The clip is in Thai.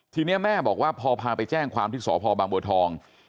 ทีนี้แม่บอกว่าพอพาไปแจ้งความที่สพบางบัวทอง